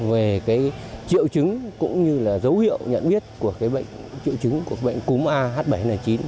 về triệu chứng cũng như dấu hiệu nhận biết của triệu chứng của bệnh cúm a h bảy n chín